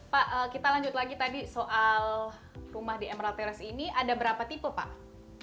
pak kita lanjut lagi tadi soal rumah di emerald terrace ini ada berapa tipe pak